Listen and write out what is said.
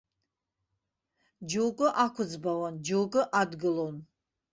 Ьоукы ақәыӡбауан, џьоукы адгылон.